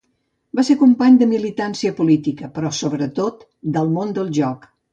Va ser company de militància política, però sobretot del món del joc.